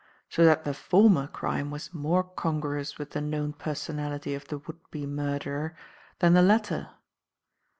So that the former crime was more congruous with the known personality of the would be murderer than the latter.